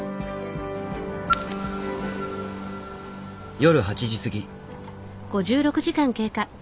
夜８時過ぎ。